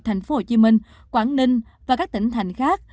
thành phố hồ chí minh quảng ninh và các tỉnh thành khác